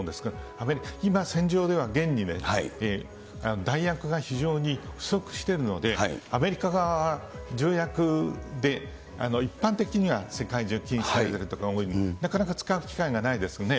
アメリカ、今、戦場では現に弾薬が非常に不足しているので、アメリカ側は条約で一般的には世界中禁止されてる所が多い、なかなか使う機会がないですね。